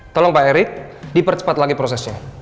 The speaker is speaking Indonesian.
tolong pak erick dipercepat lagi prosesnya